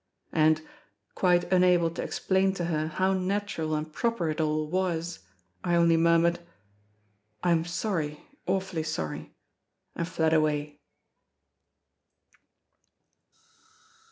And, quite unable to explain to her how natural and proper it all was, I only murmured: "I am sorry, awfully sorry," and fled away.